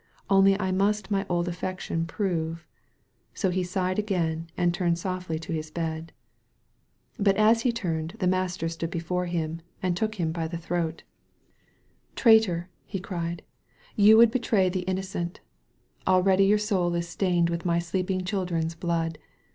Only I must my old affection prove. So he sighed again and turned Softly to his bed. But as he turned the Master stood before him and took him by the throat. 79 THE VALLEY OF VISION "Traitor!" he cried. "You would betray the innocent. Already your soul is stained with my sleeping children's blood."